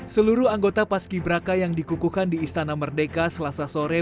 seluruh anggota paski braka yang dikukuhkan di istana merdeka selasa sore